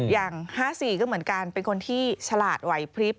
อย่าง๕๔ก็เหมือนกันเป็นคนที่ฉลาดไหวพลิบ